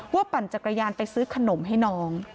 ปั่นจักรยานไปซื้อขนมให้น้อง